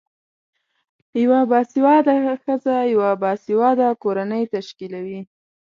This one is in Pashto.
یوه باسیواده خځه یوه باسیواده کورنۍ تشکلوی